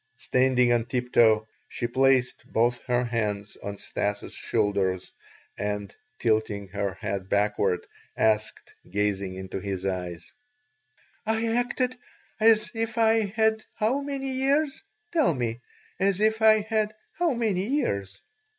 Standing on tiptoe, she placed both her hands on Stas' shoulders and, tilting her head backward, asked, gazing into his eyes: "I acted as if I had how many years? Tell me! As if I had how many years?"